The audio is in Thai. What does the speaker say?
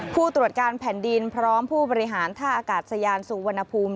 ผู้ตรวจการแผ่นดินพร้อมผู้บริหารท่าอากาศยานสุวรรณภูมิ